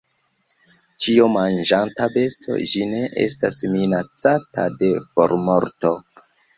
Ĉiomanĝanta besto, ĝi ne estas minacata de formorto.